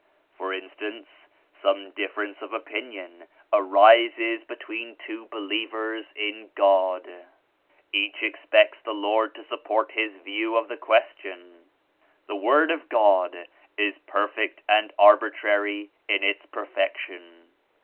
For instance, some difference of opin ion arises between two believers in God. Each expects the Lord to support his view of the ques tion. The Word of God is perfect and arbitrary in Its perfection.